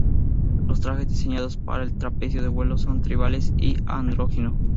Los trajes diseñados para el trapecio de vuelo son tribales y andrógino.